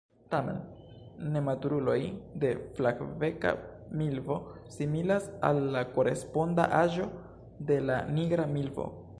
Tamen nematuruloj de Flavbeka milvo similas al la koresponda aĝo de la Nigra milvo.